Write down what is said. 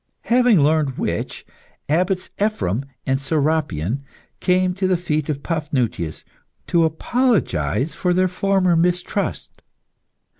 Having learned which, Abbots Ephrem and Serapion came to the feet of Paphnutius to apologise for their former mistrust.